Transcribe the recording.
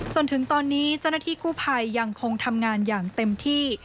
จนถึงตอนนี้เจ้าหน้าที่กู้ภัยยังคงทำงานอย่างเต็มที่